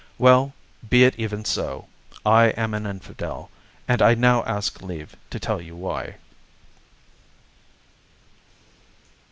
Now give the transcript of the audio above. Well, be it even so. I am an "Infidel," and I now ask leave to tell you why.